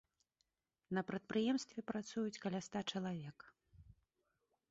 На прадпрыемстве працуюць каля ста чалавек.